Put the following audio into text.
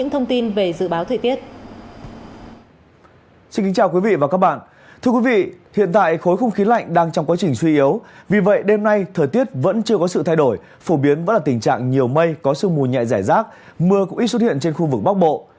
thưa quý vị hiện tại khối không khí lạnh đang trong quá trình suy yếu vì vậy đêm nay thời tiết vẫn chưa có sự thay đổi phổ biến vẫn là tình trạng nhiều mây có sương mù nhẹ giải rác mưa cũng ít xuất hiện trên khu vực bắc bộ